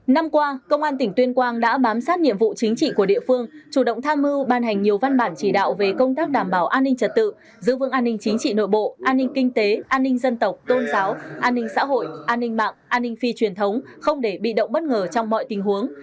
năm qua công an tỉnh tuyên quang đã bám sát nhiệm vụ chính trị của địa phương chủ động tham mưu ban hành nhiều văn bản chỉ đạo về công tác đảm bảo an ninh trật tự giữ vững an ninh chính trị nội bộ an ninh kinh tế an ninh dân tộc tôn giáo an ninh xã hội an ninh mạng an ninh phi truyền thống không để bị động bất ngờ trong mọi tình huống